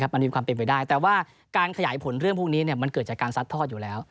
มันมีความเป็นไปได้แต่ว่าการขยายผลเรื่องพวกนี้มันเกิดจากการซัดทอดอยู่แล้ว